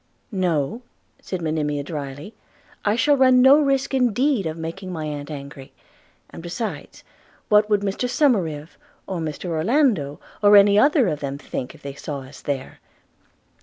'No,' said Monimia drily, 'I shall run no such risk indeed of making my aunt angry; and besides, what would Mr Somerive, or Mr Orlando, or any other of them think if they saw us there?'